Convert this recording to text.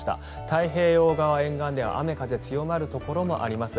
太平洋側沿岸では雨、風強まるところもあります。